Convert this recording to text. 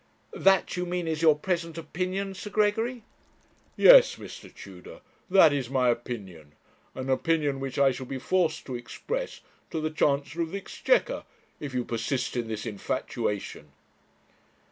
'That you mean is your present opinion, Sir Gregory?' 'Yes, Mr. Tudor, that is my opinion an opinion which I shall be forced to express to the Chancellor of the Exchequer, if you persist in this infatuation.'